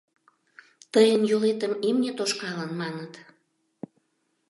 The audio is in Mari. — Тыйын йолетым имне тошкалын, маныт.